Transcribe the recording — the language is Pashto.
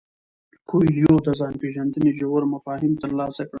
کویلیو د ځان پیژندنې ژور مفاهیم ترلاسه کړل.